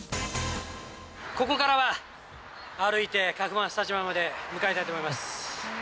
ここからは歩いてカウフマンスタジアムまで向かいたいと思います。